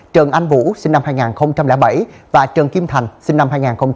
trần anh vũ sinh năm hai nghìn bảy và trần kim thành sinh năm hai nghìn